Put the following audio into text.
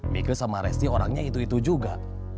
mika sama resti orangnya itu itu juga